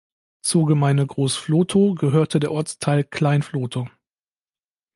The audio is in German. Zur Gemeinde Groß Flotow gehörte der Ortsteil Klein Flotow.